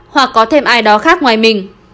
hoặc có thêm ai đó khác ngoài mình